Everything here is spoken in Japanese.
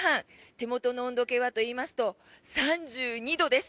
手元の温度計はといいますと３２度です。